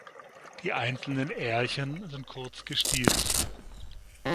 Die einzelnen Ährchen sind kurz gestielt.